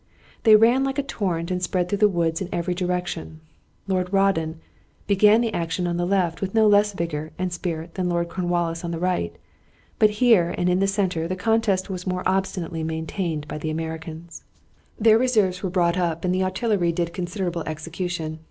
They ran like a torrent and spread through the woods in every direction. Lord Rawdon began the action on the left with no less vigor and spirit than Lord Cornwallis on the right, but here and in the center the contest was more obstinately maintained by the Americans. [Illustration: Plan of the Battle Fought Near Camden, August 16th, 1780.] Their reserves were brought up, and the artillery did considerable execution.